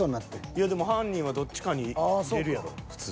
いやでも犯人はどっちかに入れるやろ普通。